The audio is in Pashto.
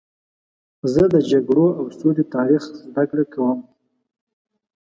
زه د جګړو او سولې تاریخ زدهکړه کوم.